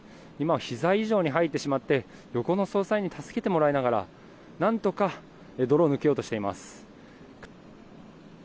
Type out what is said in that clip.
ひざ以上に入ってしまった横の捜査員に助けてもらいながら何とか泥を抜けようとしています。